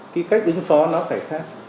cái cách đứng phó nó phải khác